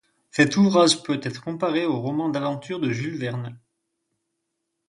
Cet ouvrage peut être comparé aux romans d'aventure de Jules Verne.